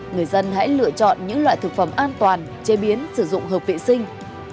người dân hãy lựa chọn những loại thực phẩm an toàn chế biến sử dụng hợp vệ sinh